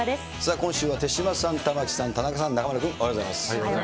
今週は手嶋さん、玉城さん、田中さん、中丸君、おはようございます。